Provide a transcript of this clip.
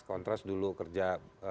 kontras dulu kerja